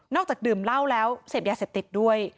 จากดื่มเหล้าแล้วเสพยาเสพติดด้วย